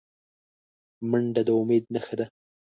منډه د امید نښه ده